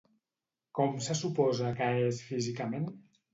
Com se suposa que és físicament?